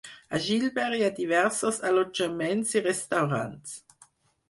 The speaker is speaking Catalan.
A Gilbert hi ha diversos allotjaments i restaurants.